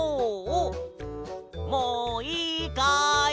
もういいかい？